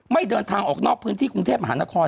เดินทางออกนอกพื้นที่กรุงเทพมหานคร